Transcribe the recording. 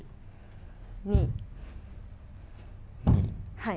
はい。